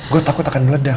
gue takut akan meledak